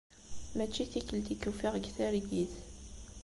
Mačči tikelt i k-ufiɣ deg targit.